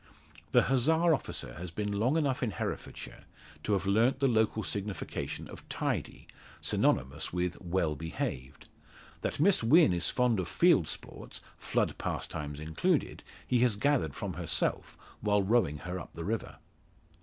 The Hussar officer has been long enough in Herefordshire to have learnt the local signification of "tidy" synonymous with "well behaved." That Miss Wynn is fond of field sports flood pastimes included he has gathered from herself while rowing her up the river.